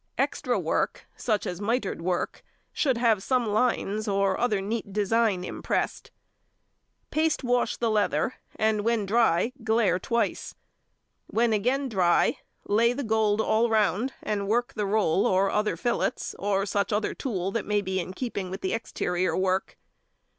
Extra work, such as mitred work, should have some lines, or other neat design impressed. Paste wash the leather, and when dry glaire twice. When again dry lay on the gold all round, and work the roll or other fillets, or such other tool that may be in keeping with the exterior work.